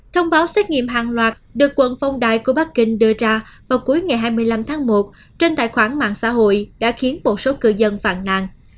thông báo xét nghiệm hàng loạt được quận phong đài của bắc kinh đưa ra vào cuối ngày hai mươi năm tháng một trên tài khoản mạng xã hội đã khiến một số cư dân phàn nàn